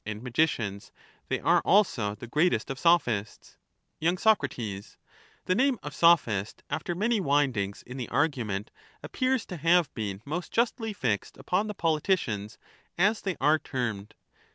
and magicians, they are also the greatest of Sophists. ment are y. Sac, The name of Sophist after many windings in the ™^^^^^' argument appears to have been most justly fixed upon the the greatest politicians, as they are termed.